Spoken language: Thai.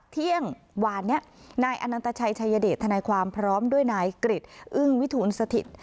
เที่ยงวานนี้นายอนันตชัยชายเดชทนายความพร้อมด้วยนายกริจอึ้งวิทูลสถิต